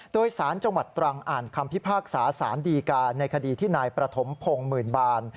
โดยสารจังหวัดตรังอ่านคำพิพากษาสารดีการในคดีที่นายประถมพงศ์หมื่นบาน